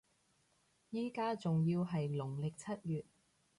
依家仲要係農曆七月